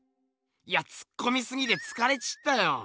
いやツッコミすぎてつかれちったよ。